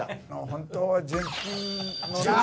本当は純金。